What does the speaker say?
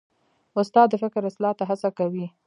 استاد د فکر اصلاح ته هڅه کوي.